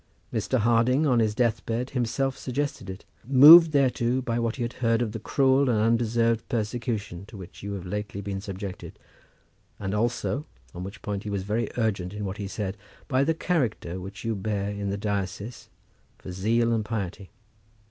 Mr. Harding, on his deathbed, himself suggested it, moved thereto by what he had heard of the cruel and undeserved persecution to which you have lately been subjected; as also, on which point he was very urgent in what he said, by the character which you bear in the diocese for zeal and piety.